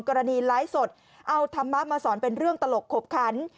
ไลฟ์สดเอาธรรมะมาสอนเป็นเรื่องตลกขบขัน